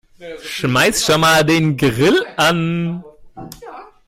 Schmeiß schon mal den Grill an.